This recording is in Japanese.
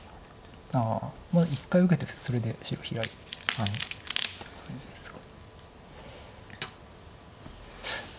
１回受けてそれで白ヒラいてって感じですか。